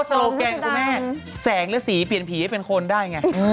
หน้าสดได้